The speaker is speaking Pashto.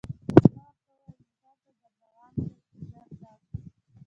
ما ورته وویل: موټر ته در روان کړه، چې ژر ولاړ شو.